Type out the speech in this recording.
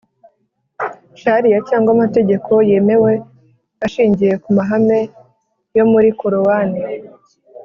shariya cyangwa amategeko yemewe ashingiye ku mahame yo muri korowani